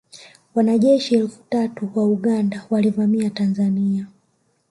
Wanajeshi elfu tatu wa Uganda walivamia Tanzania